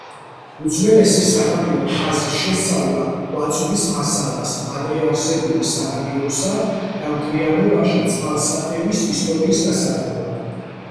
უძველესი სანაპირო ხაზის შესწავლა გვაწვდის მასალას ადრე არსებული სანაპიროსა და მთლიანობაში წყალსატევის ისტორიის გასარკვევად.